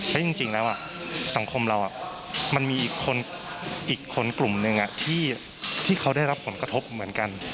และจริงแล้วสังคมเรามันมีอีกคนกลุ่มหนึ่งที่เขาได้รับผลกระทบเหมือนกัน